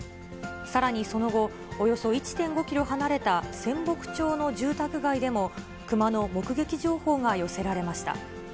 さらにその後、およそ１．５キロ離れた仙北町の住宅街でも、熊の目撃情報が寄せられました。